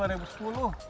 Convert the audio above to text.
keras banget rek